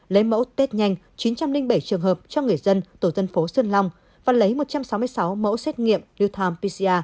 lấy mẫu tết nhanh chín trăm linh bảy trường hợp cho người dân tổ dân phố sơn lâm và lấy một trăm sáu mươi sáu mẫu xét nghiệm newtown pcr